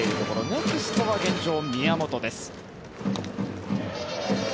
ネクストは現状、宮本です。